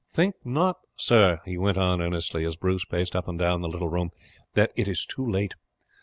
Think not, sir," he went on earnestly as Bruce paced up and down the little room, "that it is too late.